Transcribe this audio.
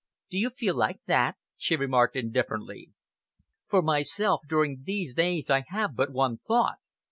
"Do you feel like that?" she remarked indifferently. "For myself, during these days I have but one thought.